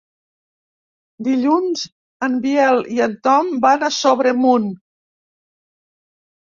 Dilluns en Biel i en Tom van a Sobremunt.